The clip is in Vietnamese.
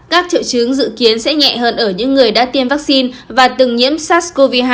các triệu chứng dự kiến sẽ nhẹ hơn ở những người đã tiêm vaccine và từng nhiễm sars cov hai